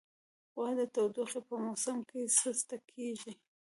غوا د تودوخې په موسم کې سسته کېږي.